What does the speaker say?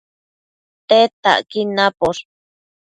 Tedtacquid naposh